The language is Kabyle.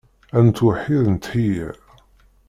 Ad nettweḥḥid netḥeyyeṛ.